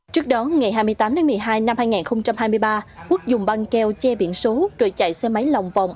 trước đó ngày hai mươi tám một mươi hai năm hai nghìn hai mươi ba quốc dùng băng keo che biển số rồi chạy xe máy lòng vòng